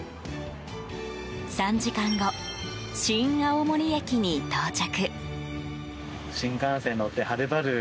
３時間後、新青森駅に到着。